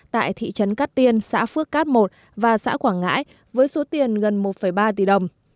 tại thị trấn cát tiên xã phước cát một và xã quảng ngãi với số tiền gần một ba tỷ đồng